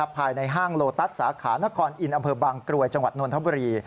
ภายในห้างโลตัสสาขานครอินอำเภอบางกรวยจังหวัดนทบุรี